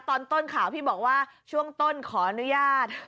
ตอนต้นข่าวพี่บอกว่าช่วงต้นขออนุญาต